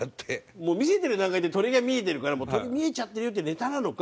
もう見せてる段階で鳥が見えてるから鳥見えちゃってるよっていうネタなのか。